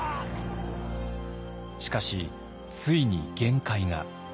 しかしついに限界が。